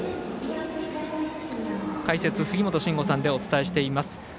解説、杉本真吾さんでお伝えしています。